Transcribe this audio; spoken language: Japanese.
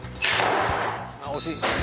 惜しい。